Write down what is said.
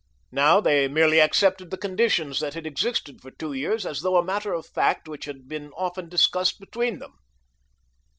Now they merely accepted the conditions that had existed for two years as though a matter of fact which had been often discussed between them.